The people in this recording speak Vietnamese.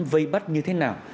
vây bắt như thế nào